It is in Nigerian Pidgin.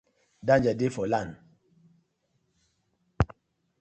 Danger dey for land.